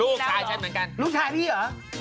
ลูกชายฉันเหมือนกัน